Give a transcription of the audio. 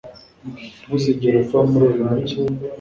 Ntuzigera uva muri uyu mujyi